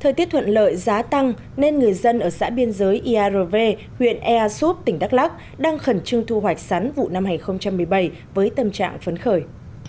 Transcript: thời tiết thuận lợi giá tăng nên người dân ở xã biên giới iav huyện ea súp tỉnh đắk lắc đang khẩn trương thu hoạch sắn vụ năm hai nghìn một mươi bảy với tâm trạng phấn khởi